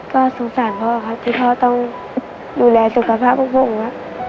ก็สงสารพ่อครับที่พ่อต้องดูแลสุขภาพพวกผมครับ